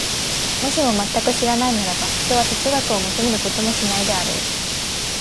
もし全く知らないならば、ひとは哲学を求めることもしないであろう。